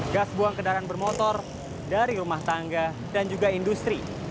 gas buang kendaraan bermotor dari rumah tangga dan juga industri